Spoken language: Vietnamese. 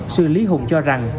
sư lý hùng cho rằng